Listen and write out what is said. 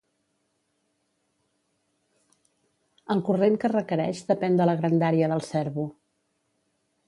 El corrent que requereix depèn de la grandària del servo.